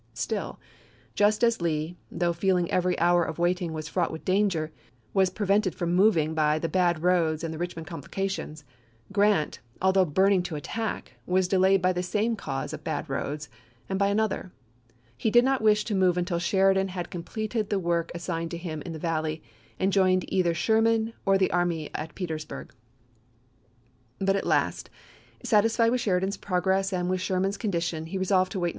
Still — just as Lee, though feeling every hour of waiting was fraught with danger, was prevented from moving by the bad roads and the Richmond complications — Grant, although burning to attack, was delayed by the same cause of bad roads, and by another. He did not wish to move until Sheridan had completed the work as signed him in the Valley and joined either Sher man or the army at Petersburg. But at last, satisfied with Sheridan's progress and with Sherman's condition, he resolved to wait 1865.